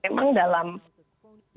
dalam hal yang kita lakukan